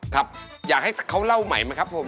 ครับอยากให้เขาเล่าใหม่ไหมครับผม